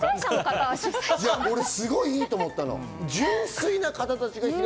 俺すごくいいと思ったの。